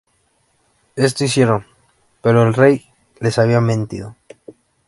Esto hicieron, pero el rey les había mentido.